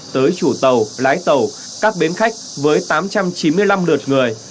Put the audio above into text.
tới chủ tàu lái tàu các bến khách với tám trăm chín mươi năm lượt người